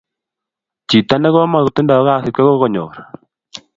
chito ne komkotindai kasit ko kokonyor